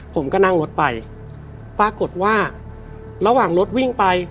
ผมก็นั่งรถไปปรากฏว่าระหว่างรถวิ่งไป